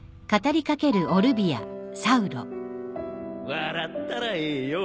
笑ったらええよ。